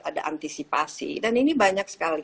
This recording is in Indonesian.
ada antisipasi dan ini banyak sekali